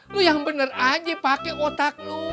lu yang bener aja pake otak lu